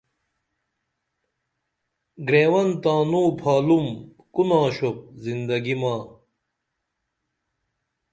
گریون تانوں پھالُم کو ناشوپ زندگی ما